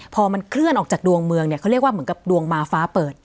พอมันเคลื่อนออกจากดวงเมืองเนี่ยเขาเรียกว่าเหมือนกับดวงมาฟ้าเปิด